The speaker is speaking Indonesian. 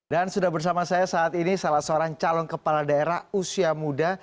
dan sudah bersama saya saat ini salah seorang calon kepala daerah usia muda